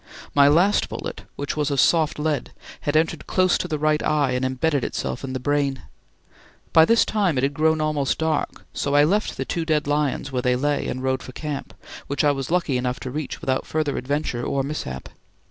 My last bullet, which was of soft lead, had entered close to the right eye and embedded itself in the brain. By this time it had grown almost dark, so I left the two dead lions where they lay and rode for camp, which I was lucky enough to reach without further adventure or mishap.